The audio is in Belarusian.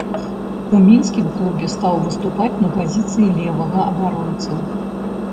У мінскім клубе стаў выступаць на пазіцыі левага абаронцы.